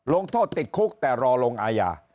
ลงโทษติดคุกแต่รอลงอาญา